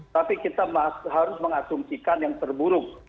tapi kita harus mengasumsikan yang terburuk